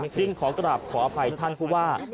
จึงขอกราบขออภัยท่านผู้ว่า